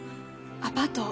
アパート